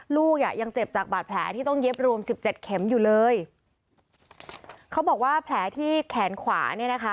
ลูกอ่ะยังเจ็บจากบาดแผลที่ต้องเย็บรวมสิบเจ็ดเข็มอยู่เลยเขาบอกว่าแผลที่แขนขวาเนี่ยนะคะ